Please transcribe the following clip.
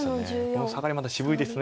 このサガリまた渋いです。